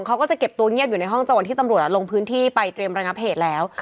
เขาก็จะเก็บตัวเงียบอยู่ในห้องจังหวัดที่ตำรวจลงพื้นที่ไปเตรียมระงับเหตุแล้ว